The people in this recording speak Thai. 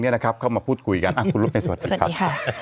มาพูดคุยกันอ่ะคุณลูกในสวัสดีครับสวัสดีค่ะติดไหมฮะโอ้โห